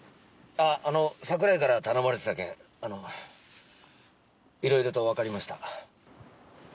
あああの桜井から頼まれてた件あのいろいろとわかりました。